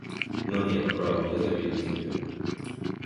Но нет, право, я завидую тебе.